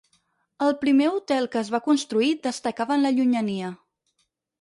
El primer hotel que es va construir destacava en la llunyania.